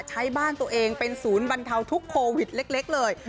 ใช้บ้านตัวเองเป็นศูนย์บรรเทาทุกโควิดเล็กเลย